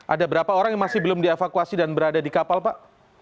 ada berapa orang yang masih belum dievakuasi dan berada di kapal pak